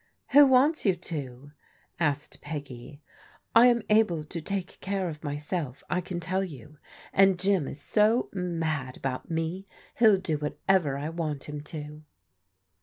"Who wants you to? " asked Peggy. " 1 am. ?X>\^ Vo 158 PBODIGAL DAUGHTERS take care of myself, I can tell you, and Jim is so mad about me hell do whatever I want him to."